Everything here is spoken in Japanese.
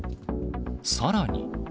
さらに。